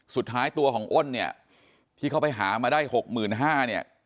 สุดท้ายตัวของอ้นเนี่ยที่เขาไปหามาได้๖๕๐๐เนี่ย